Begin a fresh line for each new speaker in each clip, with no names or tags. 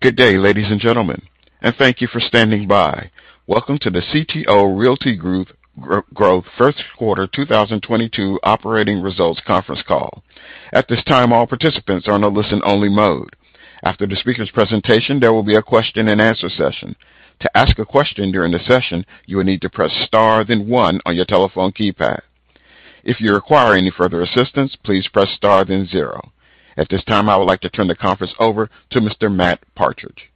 Good day, ladies and gentlemen, and thank you for standing by. Welcome to the CTO Realty Growth First Quarter 2022 Operating Results Conference Call. At this time, all participants are on a listen-only mode. After the speaker's presentation, there will be a question-and-answer session. To ask a question during the session, you will need to press Star, then one on your telephone keypad. If you require any further assistance, please press Star, then zero. At this time, I would like to turn the conference over to Mr. Matt Partridge.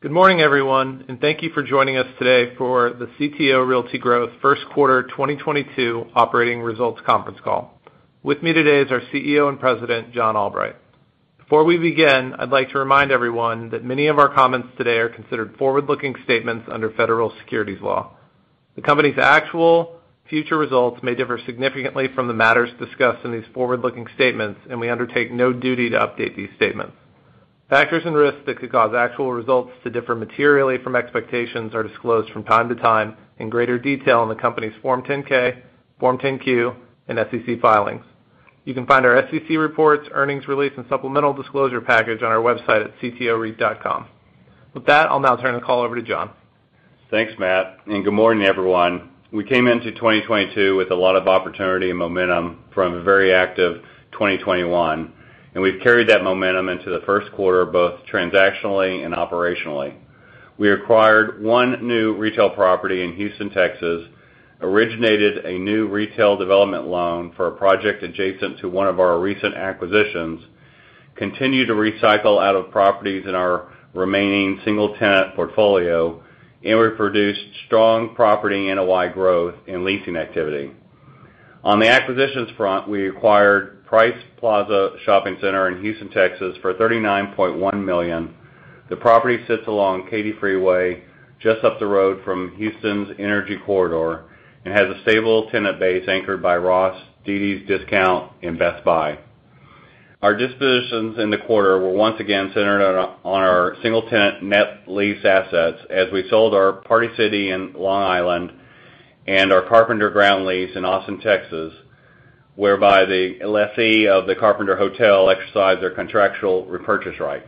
Good morning, everyone, and thank you for joining us today for the CTO Realty Growth First Quarter 2022 Operating Results Conference Call. With me today is our CEO and President, John Albright. Before we begin, I'd like to remind everyone that many of our comments today are considered forward-looking statements under federal securities law. The company's actual future results may differ significantly from the matters discussed in these forward-looking statements, and we undertake no duty to update these statements. Factors and risks that could cause actual results to differ materially from expectations are disclosed from time to time in greater detail in the company's Form 10-K, Form 10-Q, and SEC filings. You can find our SEC reports, earnings release, and supplemental disclosure package on our website at ctoreit.com. With that, I'll now turn the call over to John.
Thanks, Matt, and good morning, everyone. We came into 2022 with a lot of opportunity and momentum from a very active 2021, and we've carried that momentum into the first quarter, both transactionally and operationally. We acquired one new retail property in Houston, Texas, originated a new retail development loan for a project adjacent to one of our recent acquisitions, continued to recycle out of properties in our remaining single-tenant portfolio, and we produced strong property NOI growth and leasing activity. On the acquisitions front, we acquired Price Plaza Shopping Center in Houston, Texas, for $39.1 million. The property sits along Katy Freeway, just up the road from Houston's Energy Corridor, and has a stable tenant base anchored by Ross, dd's DISCOUNTS, and Best Buy. Our dispositions in the quarter were once again centered on our single-tenant net lease assets as we sold our Party City in Long Island and our Carpenter ground lease in Austin, Texas, whereby the lessee of the Carpenter Hotel exercised their contractual repurchase right.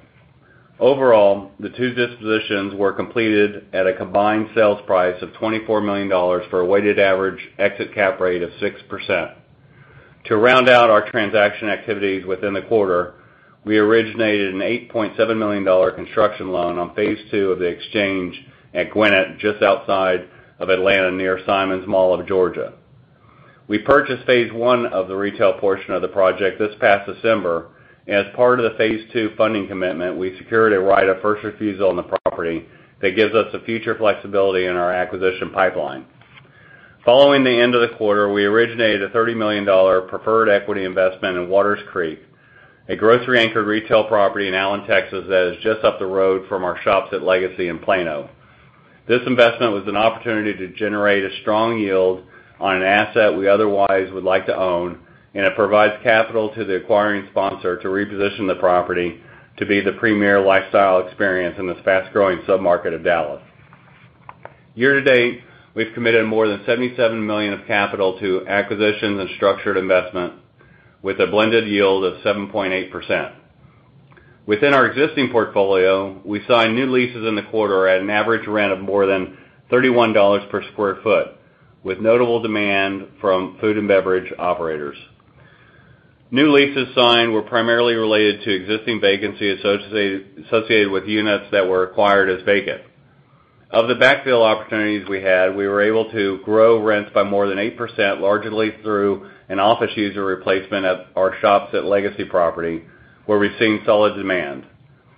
Overall, the two dispositions were completed at a combined sales price of $24 million for a weighted average exit cap rate of 6%. To round out our transaction activities within the quarter, we originated an $8.7 million construction loan on phase two of The Exchange at Gwinnett just outside of Atlanta, near Simon's Mall of Georgia. We purchased phase one of the retail portion of the project this past December. As part of the phase two funding commitment, we secured a right of first refusal on the property that gives us the future flexibility in our acquisition pipeline. Following the end of the quarter, we originated a $30 million preferred equity investment in Watters Creek, a grocery-anchored retail property in Allen, Texas, that is just up the road from our Shops at Legacy in Plano. This investment was an opportunity to generate a strong yield on an asset we otherwise would like to own, and it provides capital to the acquiring sponsor to reposition the property to be the premier lifestyle experience in this fast-growing submarket of Dallas. Year to date, we've committed more than $77 million of capital to acquisitions and structured investment with a blended yield of 7.8%. Within our existing portfolio, we signed new leases in the quarter at an average rent of more than $31 per sq ft, with notable demand from food and beverage operators. New leases signed were primarily related to existing vacancy associated with units that were acquired as vacant. Of the backfill opportunities we had, we were able to grow rents by more than 8%, largely through an office user replacement at our Shops at Legacy property, where we've seen solid demand.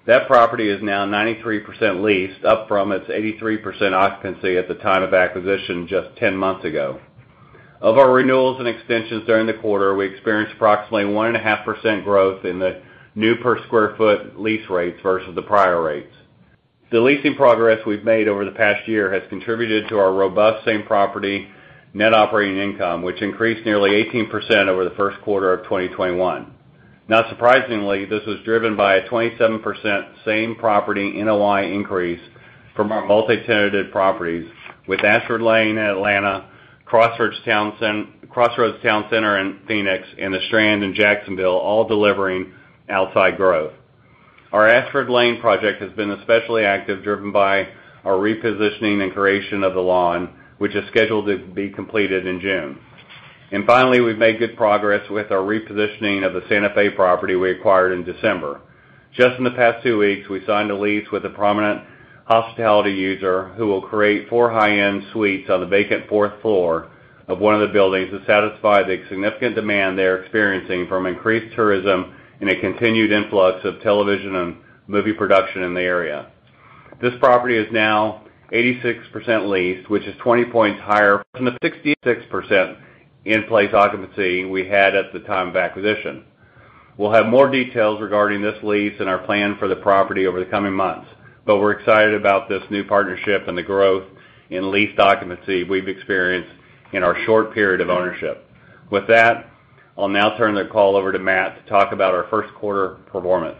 That property is now 93% leased, up from its 83% occupancy at the time of acquisition just 10 months ago. Of our renewals and extensions during the quarter, we experienced approximately 1.5% growth in the new per square foot lease rates versus the prior rates. The leasing progress we've made over the past year has contributed to our robust same-property net operating income, which increased nearly 18% over the first quarter of 2021. Not surprisingly, this was driven by a 27% same-property NOI increase from our multi-tenanted properties, with Ashford Lane in Atlanta, Crossroads Towne Center in Phoenix, and The Strand in Jacksonville all delivering outsized growth. Our Ashford Lane project has been especially active, driven by our repositioning and creation of The Lawn, which is scheduled to be completed in June. Finally, we've made good progress with our repositioning of the Santa Fe property we acquired in December. Just in the past 2 weeks, we signed a lease with a prominent hospitality user who will create 4 high-end suites on the vacant fourth floor of one of the buildings to satisfy the significant demand they're experiencing from increased tourism and a continued influx of television and movie production in the area. This property is now 86% leased, which is 20 points higher than the 66% in-place occupancy we had at the time of acquisition. We'll have more details regarding this lease and our plan for the property over the coming months, but we're excited about this new partnership and the growth in leased occupancy we've experienced in our short period of ownership. With that, I'll now turn the call over to Matt to talk about our first quarter performance.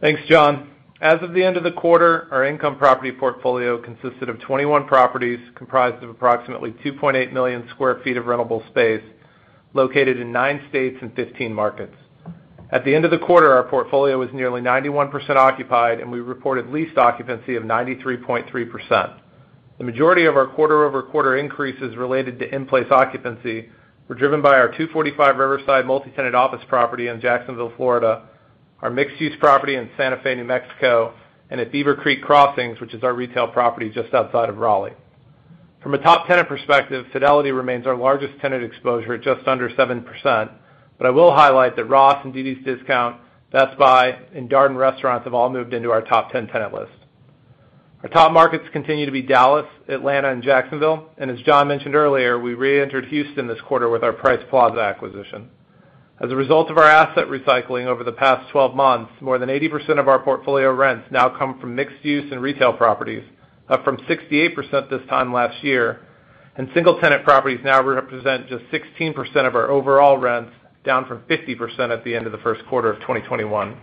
Thanks, John. As of the end of the quarter, our income property portfolio consisted of 21 properties comprised of approximately 2.8 million sq ft of rentable space located in 9 states and 15 markets. At the end of the quarter, our portfolio was nearly 91% occupied, and we reported leased occupancy of 93.3%. The majority of our quarter-over-quarter increase is related to in-place occupancy was driven by our 245 Riverside multi-tenant office property in Jacksonville, Florida, our mixed-use property in Santa Fe, New Mexico, and at Beaver Creek Crossings, which is our retail property just outside of Raleigh. From a top tenant perspective, Fidelity remains our largest tenant exposure at just under 7%. I will highlight that Ross and dd's DISCOUNTS, Best Buy, and Darden Restaurants have all moved into our top ten tenant list. Our top markets continue to be Dallas, Atlanta, and Jacksonville, and as John mentioned earlier, we reentered Houston this quarter with our Price Plaza acquisition. As a result of our asset recycling over the past 12 months, more than 80% of our portfolio rents now come from mixed-use and retail properties, up from 68% this time last year. Single-tenant properties now represent just 16% of our overall rents, down from 50% at the end of the first quarter of 2021.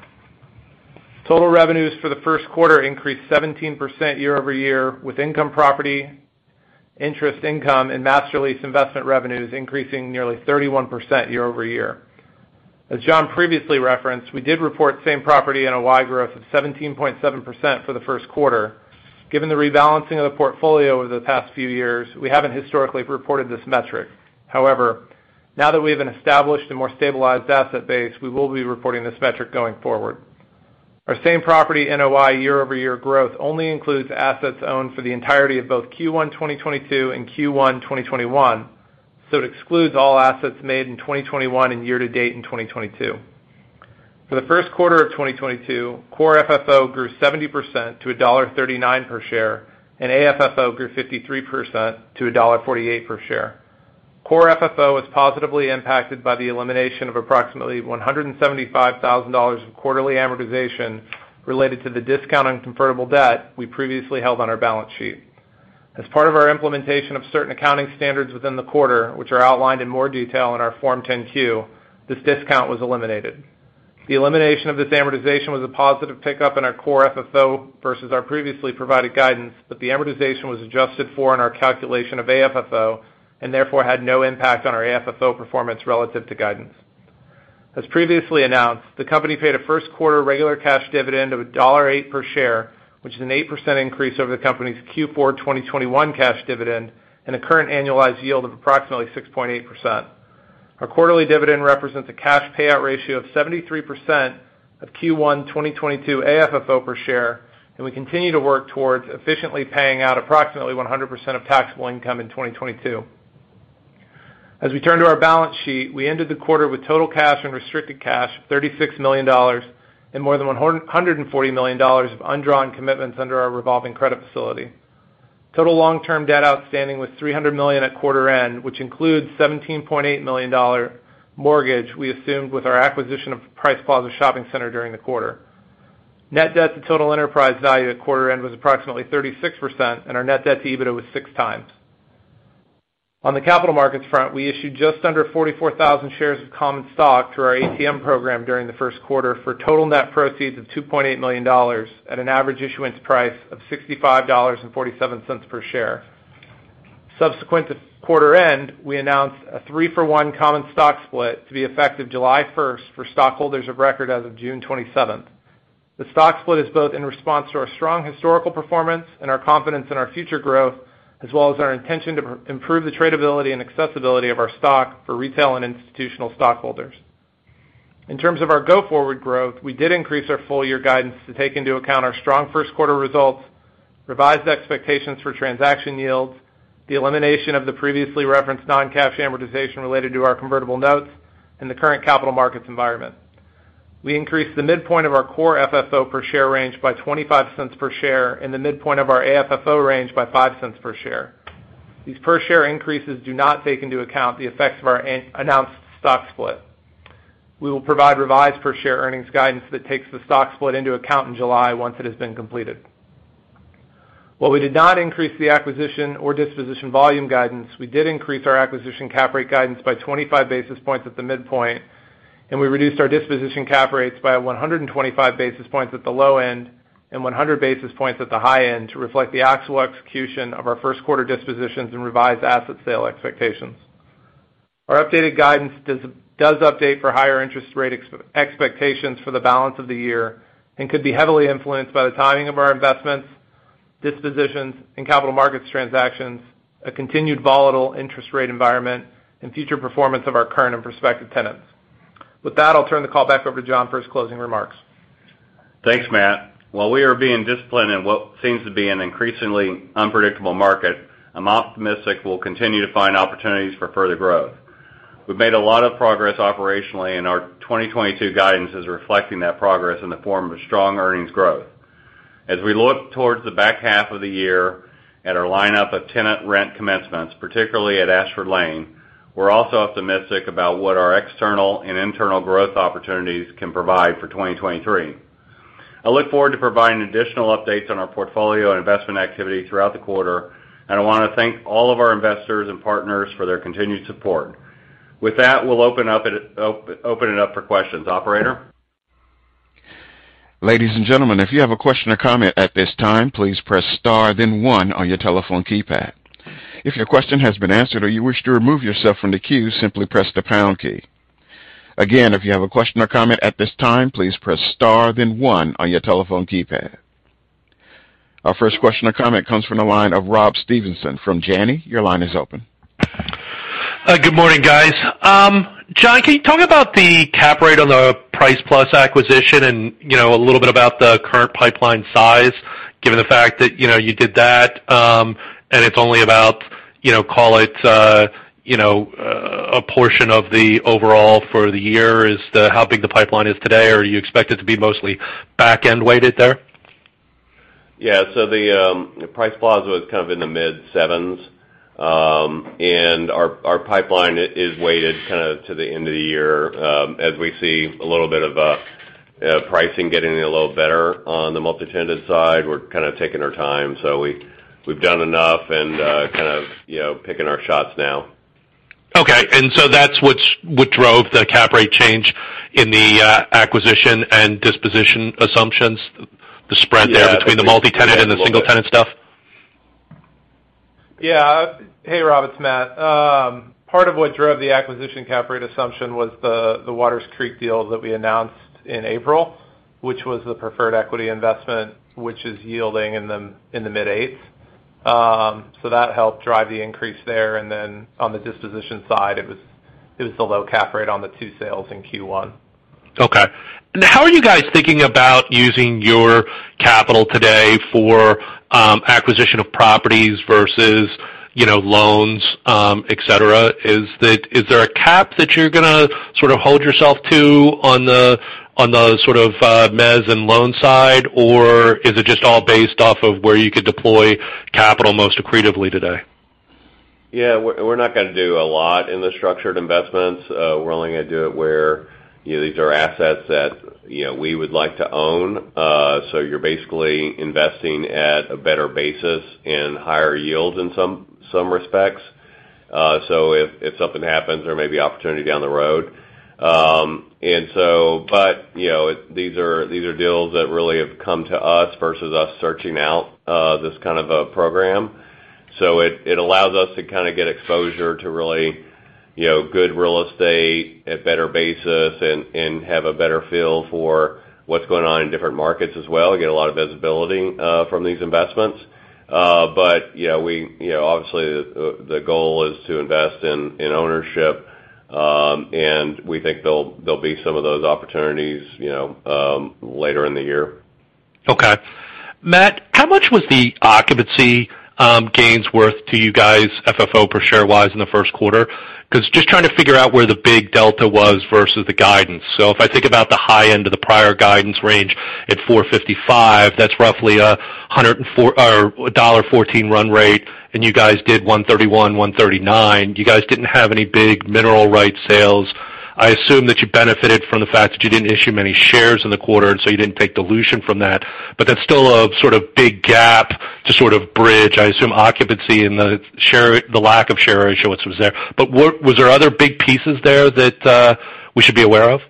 Total revenues for the first quarter increased 17% year-over-year, with income property, interest income, and master lease investment revenues increasing nearly 31% year-over-year. As John previously referenced, we did report same-property NOI growth of 17.7% for the first quarter. Given the rebalancing of the portfolio over the past few years, we haven't historically reported this metric. However, now that we have an established and more stabilized asset base, we will be reporting this metric going forward. Our same-property NOI year-over-year growth only includes assets owned for the entirety of both Q1 2022 and Q1 2021, so it excludes all assets made in 2021 and year to date in 2022. For the first quarter of 2022, Core FFO grew 70% to $1.39 per share, and AFFO grew 53% to $1.48 per share. Core FFO was positively impacted by the elimination of approximately $175,000 of quarterly amortization related to the discount on convertible debt we previously held on our balance sheet. As part of our implementation of certain accounting standards within the quarter, which are outlined in more detail in our Form 10-Q, this discount was eliminated. The elimination of this amortization was a positive pickup in our Core FFO versus our previously provided guidance, but the amortization was adjusted for in our calculation of AFFO and therefore had no impact on our AFFO performance relative to guidance. As previously announced, the company paid a first quarter regular cash dividend of $1.08 per share, which is an 8% increase over the company's Q4 2021 cash dividend and a current annualized yield of approximately 6.8%. Our quarterly dividend represents a cash payout ratio of 73% of Q1 2022 AFFO per share, and we continue to work towards efficiently paying out approximately 100% of taxable income in 2022. As we turn to our balance sheet, we ended the quarter with total cash and restricted cash of $36 million and more than $140 million of undrawn commitments under our revolving credit facility. Total long-term debt outstanding was $300 million at quarter end, which includes $17.8 million mortgage we assumed with our acquisition of Price Plaza Shopping Center during the quarter. Net debt to total enterprise value at quarter end was approximately 36%, and our net debt to EBITDA was 6x. On the capital markets front, we issued just under 44,000 shares of common stock through our ATM program during the first quarter for total net proceeds of $2.8 million at an average issuance price of $65.47 per share. Subsequent to quarter end, we announced a 3-for-1 common stock split to be effective July 1 for stockholders of record as of June 27. The stock split is both in response to our strong historical performance and our confidence in our future growth, as well as our intention to improve the tradability and accessibility of our stock for retail and institutional stockholders. In terms of our go-forward growth, we did increase our full year guidance to take into account our strong first quarter results, revised expectations for transaction yields, the elimination of the previously referenced non-cash amortization related to our convertible notes, and the current capital markets environment. We increased the midpoint of our core FFO per share range by $0.25 per share and the midpoint of our AFFO range by $0.05 per share. These per share increases do not take into account the effects of our announced stock split. We will provide revised per share earnings guidance that takes the stock split into account in July once it has been completed. While we did not increase the acquisition or disposition volume guidance, we did increase our acquisition cap rate guidance by 25 basis points at the midpoint, and we reduced our disposition cap rates by 125 basis points at the low end and 100 basis points at the high end to reflect the actual execution of our first quarter dispositions and revised asset sale expectations. Our updated guidance does update for higher interest rate expectations for the balance of the year and could be heavily influenced by the timing of our investments, dispositions, and capital markets transactions, a continued volatile interest rate environment, and future performance of our current and prospective tenants. With that, I'll turn the call back over to John for his closing remarks.
Thanks, Matt. While we are being disciplined in what seems to be an increasingly unpredictable market, I'm optimistic we'll continue to find opportunities for further growth. We've made a lot of progress operationally, and our 2022 guidance is reflecting that progress in the form of strong earnings growth. As we look towards the back half of the year at our lineup of tenant rent commencements, particularly at Ashford Lane, we're also optimistic about what our external and internal growth opportunities can provide for 2023. I look forward to providing additional updates on our portfolio and investment activity throughout the quarter, and I wanna thank all of our investors and partners for their continued support. With that, we'll open it up for questions. Operator?
Ladies and gentlemen, if you have a question or comment at this time, please press star then one on your telephone keypad. If your question has been answered or you wish to remove yourself from the queue, simply press the pound key. Again, if you have a question or comment at this time, please press star then one on your telephone keypad. Our first question or comment comes from the line of Rob Stevenson from Janney. Your line is open.
Hi. Good morning, guys. John, can you talk about the cap rate on the Price Plaza acquisition and, you know, a little bit about the current pipeline size, given the fact that, you know, you did that, and it's only about, you know, call it, a portion of the overall for the year, as to how big the pipeline is today, or you expect it to be mostly backend weighted there?
Yeah. The Price Plaza was kind of in the mid sevens. Our pipeline is weighted kinda to the end of the year, as we see a little bit of pricing getting a little better on the multi-tenant side. We're kind of taking our time. We've done enough and kind of, you know, picking our shots now.
Okay. That's what drove the cap rate change in the acquisition and disposition assumptions, the spread there between the multi-tenant and the single-tenant stuff?
Yeah.
Hey, Rob, it's Matt. Part of what drove the acquisition cap rate assumption was the Watters Creek deal that we announced in April, which was the preferred equity investment, which is yielding in the mid eights. That helped drive the increase there, and then on the disposition side, it was the low cap rate on the two sales in Q1.
Okay. How are you guys thinking about using your capital today for acquisition of properties versus, you know, loans, et cetera? Is there a cap that you're gonna sort of hold yourself to on the sort of mezz and loan side, or is it just all based off of where you could deploy capital most accretively today?
Yeah. We're not gonna do a lot in the structured investments. We're only gonna do it where, you know, these are assets that, you know, we would like to own. You're basically investing at a better basis and higher yields in some respects. If something happens, there may be opportunity down the road. You know, these are deals that really have come to us versus us searching out this kind of a program. It allows us to kinda get exposure to really, you know, good real estate at better basis and have a better feel for what's going on in different markets as well, get a lot of visibility from these investments. You know, we You know, obviously, the goal is to invest in ownership, and we think there'll be some of those opportunities, you know, later in the year.
Okay. Matt, how much was the occupancy gains worth to you guys, FFO per share-wise in the first quarter? 'Cause just trying to figure out where the big delta was versus the guidance. If I think about the high end of the prior guidance range at $0.455, that's roughly a $1.14 run rate, and you guys did $1.31, $1.39. You guys didn't have any big mineral rights sales. I assume that you benefited from the fact that you didn't issue many shares in the quarter, and so you didn't take dilution from that. That's still a sort of big gap to sort of bridge, I assume, occupancy and the lack of share issuance was there. What was there other big pieces there that we should be aware of?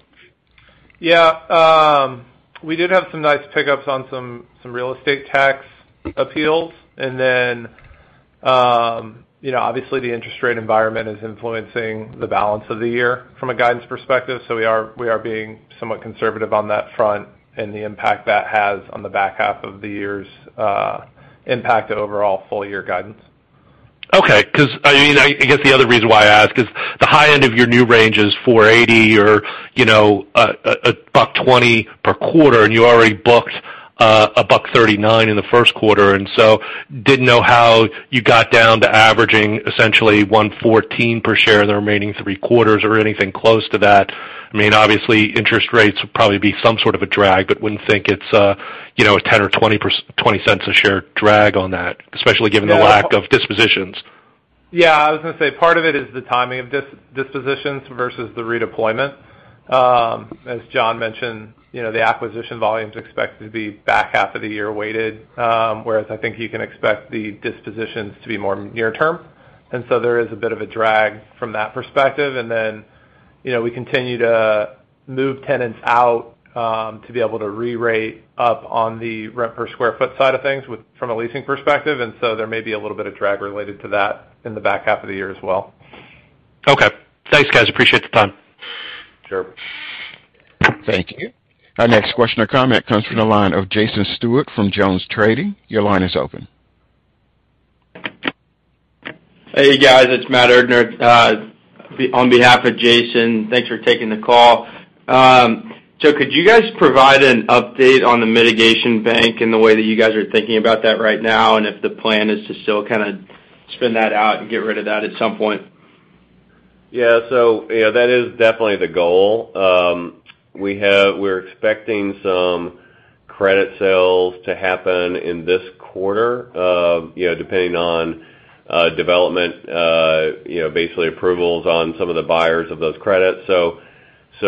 Yeah. We did have some nice pickups on some real estate tax appeals. You know, obviously, the interest rate environment is influencing the balance of the year from a guidance perspective. We are being somewhat conservative on that front and the impact that has on the back half of the year's impact to overall full year guidance.
Okay. 'Cause, I mean, I guess the other reason why I ask is the high end of your new range is $4.80 or, you know, $1.20 per quarter, and you already booked $1.39 in the first quarter, and so didn't know how you got down to averaging essentially $1.14 per share in the remaining three quarters or anything close to that. I mean, obviously, interest rates will probably be some sort of a drag, but wouldn't think it's, you know, a $0.10 or $0.20 per share drag on that, especially given the lack of dispositions.
Yeah. I was gonna say part of it is the timing of dispositions versus the redeployment. As John mentioned, you know, the acquisition volume's expected to be back half of the year weighted, whereas I think you can expect the dispositions to be more near term. There is a bit of a drag from that perspective. You know, we continue to move tenants out, to be able to rerate up on the rent per square foot side of things with from a leasing perspective. There may be a little bit of drag related to that in the back half of the year as well.
Okay. Thanks, guys. Appreciate the time.
Sure.
Thank you. Our next question or comment comes from the line of Jason Stewart from JonesTrading. Your line is open.
Hey, guys. It's Matthew Erdner on behalf of Jason. Thanks for taking the call. So could you guys provide an update on the mitigation bank and the way that you guys are thinking about that right now, and if the plan is to still kinda spin that out and get rid of that at some point?
Yeah. You know, that is definitely the goal. We're expecting some credit sales to happen in this quarter, you know, depending on development, you know, basically approvals on some of the buyers of those credits.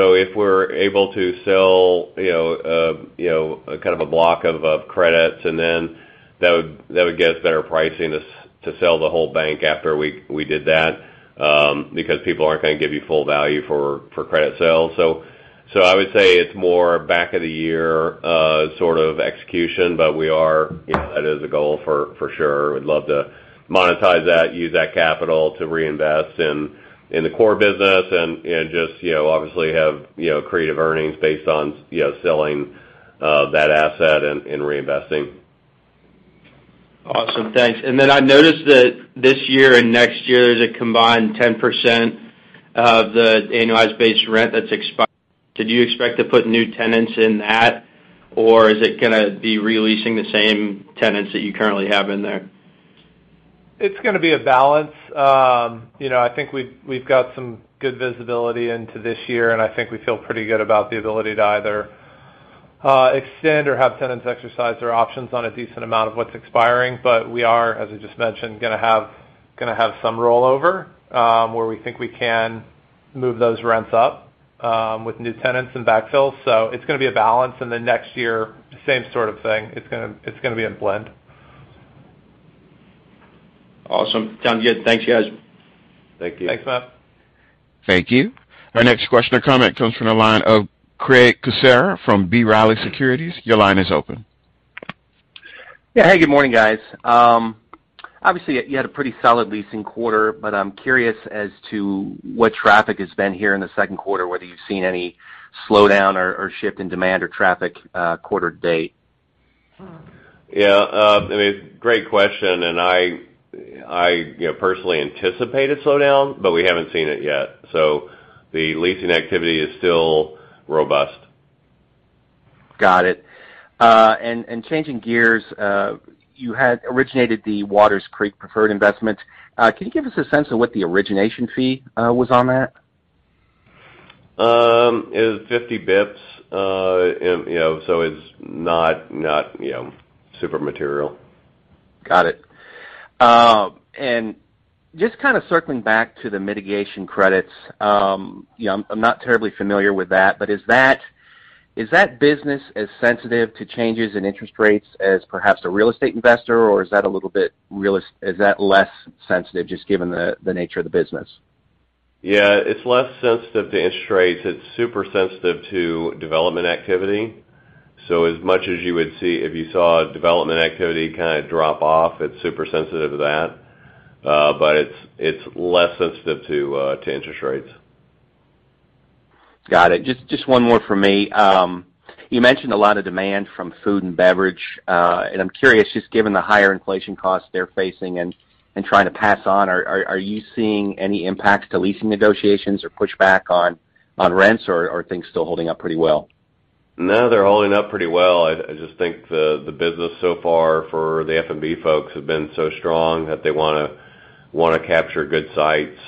If we're able to sell, you know, you know, kind of a block of credits, and then that would get us better pricing to sell the whole block after we did that, because people aren't gonna give you full value for credit sales. I would say it's more back half of the year sort of execution. We are, you know, that is a goal for sure. We'd love to monetize that, use that capital to reinvest in the core business and just, you know, obviously have, you know, creative earnings based on, you know, selling that asset and reinvesting.
Awesome. Thanks. I noticed that this year and next year, there's a combined 10% of the annualized base rent that's expired. Did you expect to put new tenants in that, or is it gonna be re-leasing the same tenants that you currently have in there?
It's gonna be a balance. You know, I think we've got some good visibility into this year, and I think we feel pretty good about the ability to either extend or have tenants exercise their options on a decent amount of what's expiring. We are, as I just mentioned, gonna have some rollover where we think we can move those rents up with new tenants and backfill. It's gonna be a balance. Then next year, same sort of thing. It's gonna be a blend.
Awesome. Sounds good. Thanks, guys.
Thank you.
Thanks, Matt.
Thank you. Our next question or comment comes from the line of Craig Kucera from B. Riley Securities. Your line is open.
Yeah. Hey, good morning, guys. Obviously you had a pretty solid leasing quarter, but I'm curious as to what traffic has been here in the second quarter, whether you've seen any slowdown or shift in demand or traffic quarter to date.
Yeah, I mean, great question, and I, you know, personally anticipate a slowdown, but we haven't seen it yet. The leasing activity is still robust.
Got it. Changing gears, you had originated the Watters Creek preferred investment. Can you give us a sense of what the origination fee was on that?
It was 50 basis points. You know, it's not, you know, super material.
Got it. Just kind of circling back to the mitigation credits, you know, I'm not terribly familiar with that, but is that business as sensitive to changes in interest rates as perhaps a real estate investor, or is that less sensitive just given the nature of the business?
Yeah, it's less sensitive to interest rates. It's super sensitive to development activity. As much as you would see if you saw development activity kind of drop off, it's super sensitive to that. But it's less sensitive to interest rates.
Got it. Just one more from me. You mentioned a lot of demand from food and beverage. I'm curious, just given the higher inflation costs they're facing and trying to pass on, are you seeing any impacts to leasing negotiations or pushback on rents or are things still holding up pretty well?
No, they're holding up pretty well. I just think the business so far for the F&B folks have been so strong that they wanna capture good sites,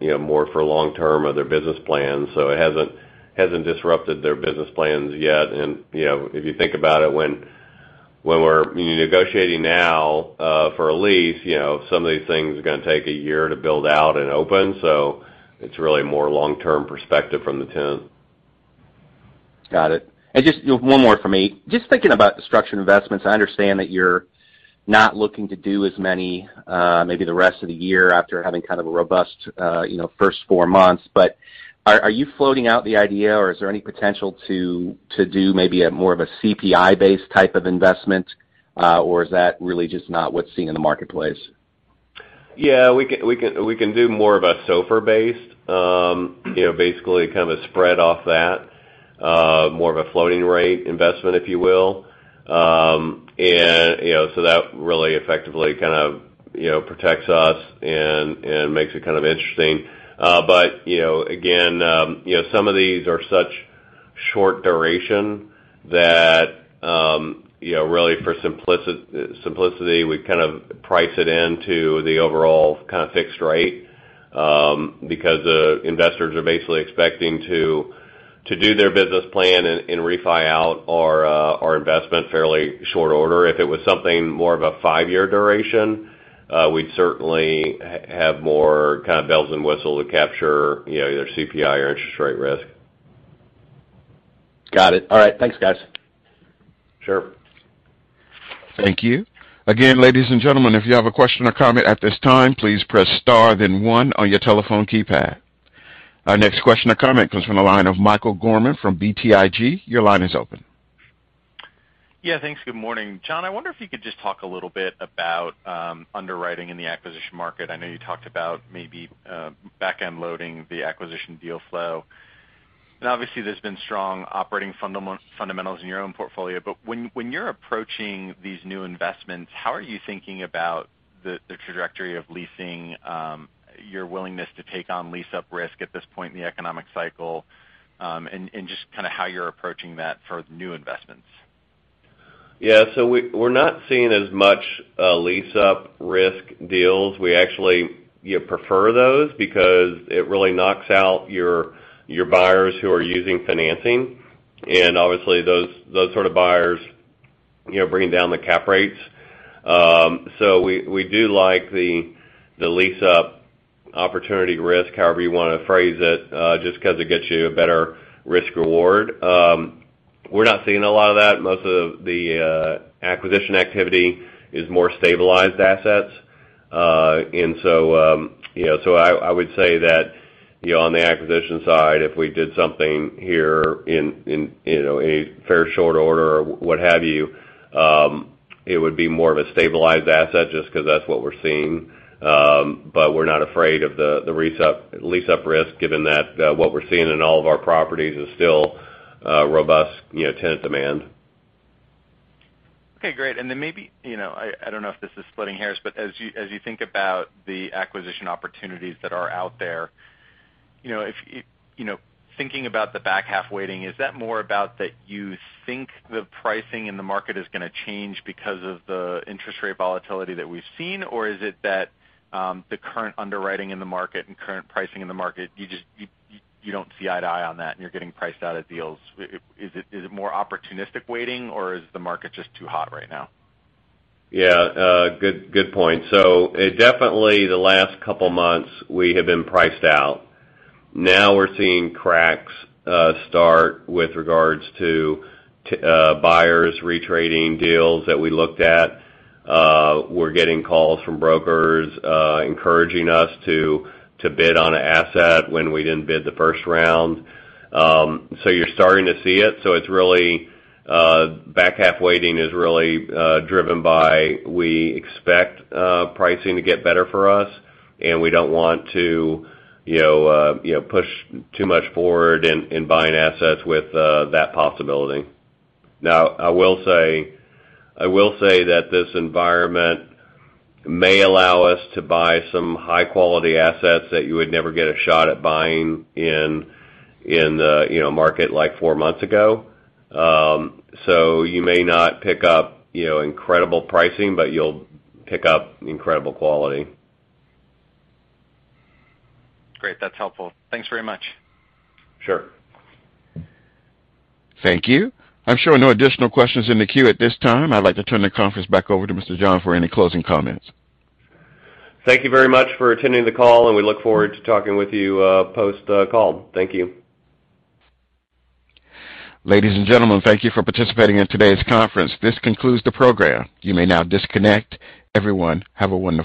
you know, more for long term of their business plan. It hasn't disrupted their business plans yet. You know, if you think about it, when we're negotiating now, for a lease, you know, some of these things are gonna take a year to build out and open. It's really more long-term perspective from the tenant.
Got it. Just one more from me. Just thinking about structured investments, I understand that you're not looking to do as many, maybe the rest of the year after having kind of a robust, you know, first four months, but are you floating out the idea or is there any potential to do maybe a more of a CPI-based type of investment? Or is that really just not what's seen in the marketplace?
Yeah, we can do more of a SOFR-based, you know, basically kind of a spread off that, more of a floating rate investment, if you will. You know, so that really effectively kind of protects us and makes it kind of interesting. You know, again, some of these are such short duration that, you know, really for simplicity, we kind of price it into the overall kind of fixed rate, because the investors are basically expecting to do their business plan and refi out our investment fairly short order. If it was something more of a five-year duration, we'd certainly have more kind of bells and whistles to capture, you know, either CPI or interest rate risk.
Got it. All right. Thanks, guys.
Sure.
Thank you. Again, ladies and gentlemen, if you have a question or comment at this time, please press star then one on your telephone keypad. Our next question or comment comes from the line of Michael Gorman from BTIG. Your line is open.
Yeah. Thanks. Good morning. John, I wonder if you could just talk a little bit about underwriting in the acquisition market. I know you talked about maybe back-end loading the acquisition deal flow. Obviously, there's been strong operating fundamentals in your own portfolio. When you're approaching these new investments, how are you thinking about the trajectory of leasing, your willingness to take on lease-up risk at this point in the economic cycle, and just kind of how you're approaching that for new investments?
Yeah. We're not seeing as much lease-up risk deals. We actually, you know, prefer those because it really knocks out your buyers who are using financing. Obviously those sort of buyers, you know, bringing down the cap rates. We do like the lease up opportunity risk, however you wanna phrase it, just 'cause it gets you a better risk reward. We're not seeing a lot of that. Most of the acquisition activity is more stabilized assets. You know, I would say that, you know, on the acquisition side, if we did something here in a fairly short order or what have you, it would be more of a stabilized asset just 'cause that's what we're seeing. We're not afraid of the lease-up risk, given that what we're seeing in all of our properties is still robust, you know, tenant demand.
Okay, great. Maybe, you know, I don't know if this is splitting hairs, but as you think about the acquisition opportunities that are out there, you know, thinking about the back half waiting, is that more about that you think the pricing in the market is gonna change because of the interest rate volatility that we've seen? Or is it that, the current underwriting in the market and current pricing in the market, you just you don't see eye to eye on that and you're getting priced out of deals? Is it more opportunistic waiting, or is the market just too hot right now?
Yeah, good point. Definitely the last couple months we have been priced out. Now we're seeing cracks start with regards to buyers retrading deals that we looked at. We're getting calls from brokers encouraging us to bid on an asset when we didn't bid the first round. You're starting to see it. It's really back half waiting is really driven by we expect pricing to get better for us, and we don't want to, you know, you know, push too much forward in buying assets with that possibility. Now, I will say that this environment may allow us to buy some high quality assets that you would never get a shot at buying in the, you know, market like four months ago. You may not pick up, you know, incredible pricing, but you'll pick up incredible quality.
Great. That's helpful. Thanks very much.
Sure.
Thank you. I'm showing no additional questions in the queue at this time. I'd like to turn the conference back over to Mr. John for any closing comments.
Thank you very much for attending the call, and we look forward to talking with you, post the call. Thank you.
Ladies and gentlemen, thank you for participating in today's conference. This concludes the program. You may now disconnect. Everyone, have a wonderful day.